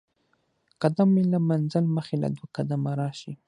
قدم له ئې منزل مخي له دوه قدمه راشي